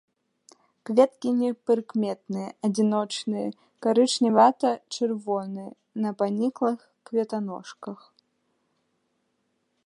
Кветкі непрыкметныя, адзіночныя, карычневата-чырвоныя, на паніклых кветаножках.